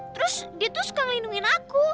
terus dia tuh suka ngelindungin aku